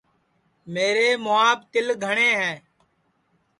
میرے مُھواپ تیل گھٹؔے ہے